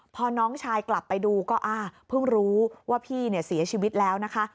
พอน้องชายกลับไปดูก็เพิ่งรู้ว่าพี่เนี่ยเสียชีวิตแล้วนะคะ